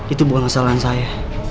itu bukan kesalahan saya